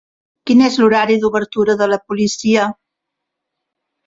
Quin és l'horari d'obertura de la policia?